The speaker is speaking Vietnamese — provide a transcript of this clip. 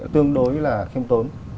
tương đối là khiêm tốn